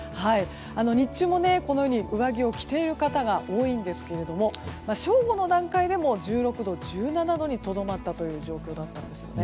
日中も上着を着ている方が多いんですが正午の段階でも１６度、１７度にとどまった状況だったんです。